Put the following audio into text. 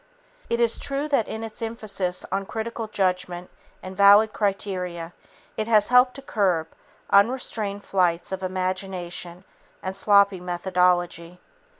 It is true that in its emphasis on critical judgment and valid criteria, it has helped to curb unrestrained flights of imagination and sloppy methodology.